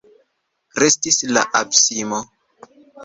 Restis la abismo.